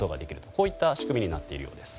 こういった仕組みになっているようです。